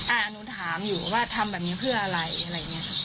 หนูถามอยู่ว่าทำแบบนี้เพื่ออะไรอะไรอย่างเงี้ย